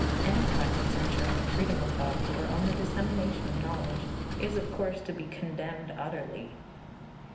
Any kind of censure on freedom of thought or on the dissemination of knowledge is, of course, to be condemned utterly.